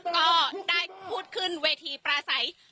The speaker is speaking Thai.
ก็ได้พูดขึ้นเวทีปลาใส